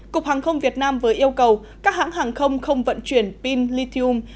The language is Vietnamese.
cục hàng không việt nam vừa yêu cầu các hãng hàng không không vận chuyển pin lithium